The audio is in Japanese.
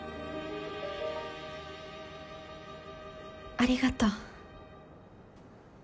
ありがとう。